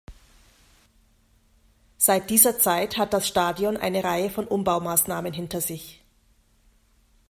Seit dieser Zeit hat das Stadion eine Reihe von Umbaumaßnahmen hinter sich.